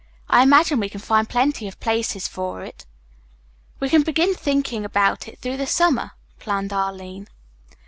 I imagine we can find plenty of places for it." "We can be thinking about it through the summer," planned Arline.